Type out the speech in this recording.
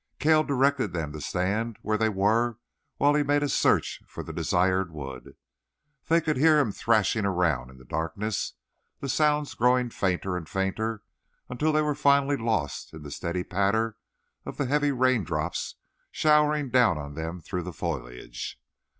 Cale directed them to stand where they were while he made a search for the desired wood. They could hear him threshing around in the darkness, the sounds growing fainter and fainter until they were finally lost in the steady patter of the heavy raindrops showering down on them through the foliage.